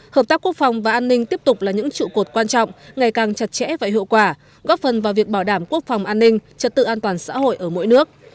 hợp tác quốc phòng và an ninh tiếp tục là những trụ cột quan trọng ngày càng chặt chẽ và hiệu quả góp phần vào việc bảo đảm quốc phòng an ninh trật tự an toàn xã hội ở mỗi nước